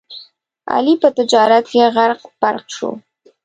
علي په تجارت کې غرق پرق شو.